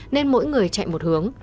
nên mỗi người chạy một hướng